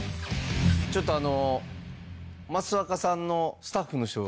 ちょっとあの。